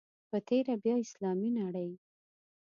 په تېره بیا اسلامي نړۍ.